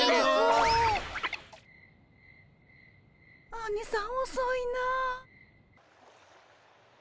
アニさんおそいなぁ。